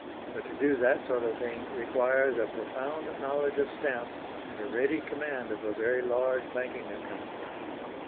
But to do that sort of thing requires a profound knowledge of stamps and a ready command of a very large banking account.